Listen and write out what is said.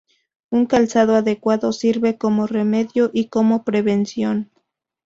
Un calzado adecuado sirve como remedio y como prevención.